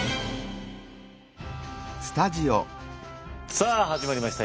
さあ始まりました。